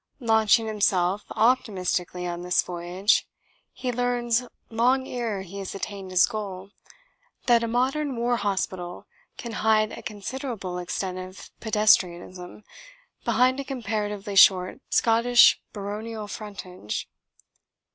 Launching himself optimistically on this voyage he learns, long ere he has attained his goal, that a modern war hospital can hide a considerable extent of pedestrianism behind a comparatively short Scottish baronial frontage.